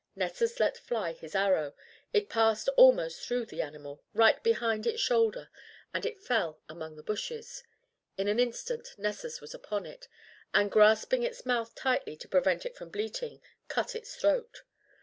Nessus let fly his arrow, it passed almost through the animal, right behind its shoulder, and it fell among the bushes. In an instant Nessus was upon it, and, grasping its mouth tightly to prevent it from bleating, cut its throat.